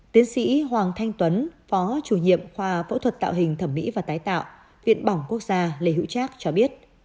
tiến sĩ hoàng thanh tuấn phó chủ nhiệm khoa phẫu thuật tạo hình thẩm mỹ và tái tạo viện bỏng quốc gia lê hữu trác cho biết